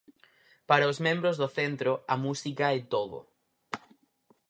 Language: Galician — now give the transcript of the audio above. Para os membros do centro, a música é todo.